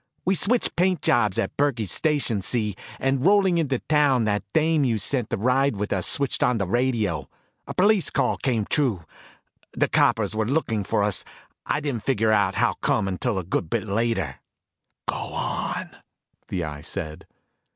We switched paint jobs at Burkey's station, see, and rolling into town that dame you sent to ride with us switched on the radio. A police call came through. The coppers were looking for us. I didn't figure how come until a good bit later." "Go on," the Eye said.